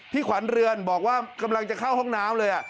ขวัญเรือนบอกว่ากำลังจะเข้าห้องน้ำเลย